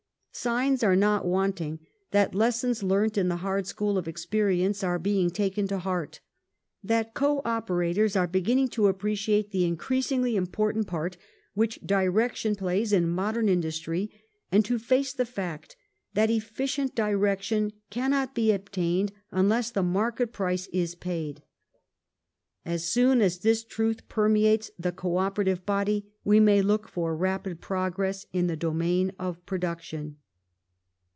Signs are not wanting that lessons learnt in the hard school of experience ai e being taken to heart ; that Co operators are beginning to appreciate the increasingly important part which direction plays in modern industry, and to face the fact that efficient direction cannot be obtained unless the market price is paid. As soon as this truth permeates the Co operative body we may look for rapid progress in the domain of production.